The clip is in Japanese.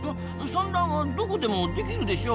産卵はどこでもできるでしょ。